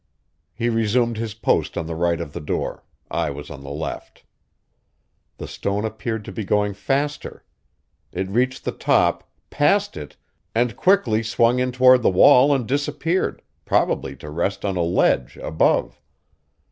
He resumed his post on the right of the door I was on the left. The stone appeared to be going faster. It reached the top passed it and quickly swung in toward the wall and disappeared, probably to rest on a ledge above.